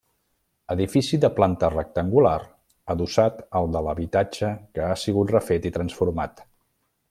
Edifici de planta rectangular adossat al de l'habitatge que ha sigut refet i transformat.